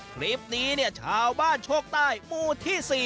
คลิปนี้เนี่ยชาวบ้านโชคใต้หมู่ที่๔